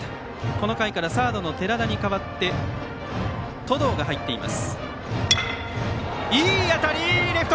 この回からサードの寺田に代わって登藤が入っています。